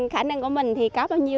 khả năng của mình thì có bao nhiêu